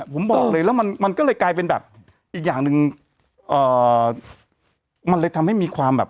ผมบอกเลยแล้วมันมันก็เลยกลายเป็นแบบอีกอย่างหนึ่งเอ่อมันเลยทำให้มีความแบบ